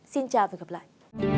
xin chào và hẹn gặp lại